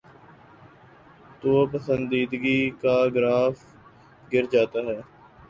توپسندیدگی کا گراف گر جاتا ہے۔